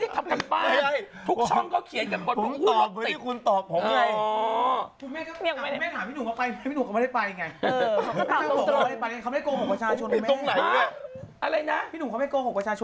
พี่หนุ่งก็ไม่ได้ไปไง